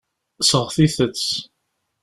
Seɣtit-tt.